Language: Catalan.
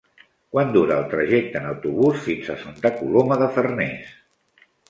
Quant dura el trajecte en autobús fins a Santa Coloma de Farners?